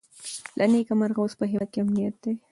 له نېکمرغه اوس په هېواد کې امنیت دی.